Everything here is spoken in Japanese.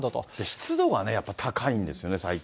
湿度がね、やっぱり高いんですよね、最近。